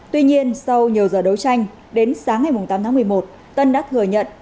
tuy nhiên sau nhiều giờ đấu tranh đến sáng ngày tám tháng một mươi một tân đã thừa nhận